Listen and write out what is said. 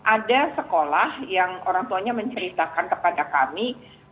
ada sekolah yang orang tuanya menceritakan kepada kami